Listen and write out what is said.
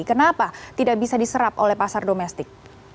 kenapa tidak bisa diserap oleh pasar domestik